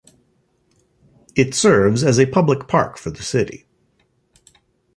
It serves as a public park for the city.